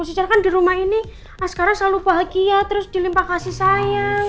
sejarahkan di rumah ini askara selalu bahagia terus dilimpah kasih sayang